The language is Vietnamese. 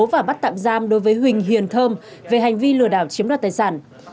và bắt tạm giam đối với huỳnh hiền thơm về hành vi lừa đảo chiếm đoạt tài sản